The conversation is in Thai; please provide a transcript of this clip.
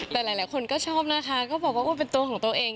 แต่หลายคนก็ชอบนะคะก็บอกว่าเป็นตัวของตัวเอง